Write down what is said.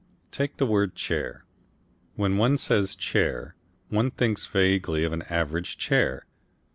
Take the word chair. When one says chair, one thinks vaguely of an average chair.